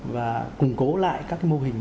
và củng cố lại các mô hình